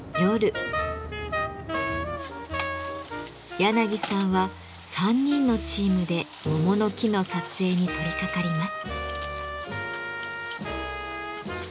やなぎさんは３人のチームで桃の木の撮影に取りかかります。